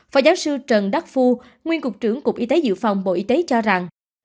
phó giáo sư trần đắc phu nguyên cục trưởng cục y tế dự phòng bộ y tế cho rằng